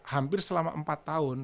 hampir selama empat tahun